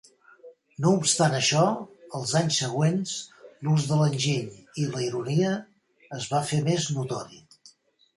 No obstant això, els anys següents, l'ús de l'enginy i la ironia es va fer més notori.